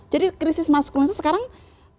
jadi krisis maskulinitas sekarang kenapa sebenarnya persis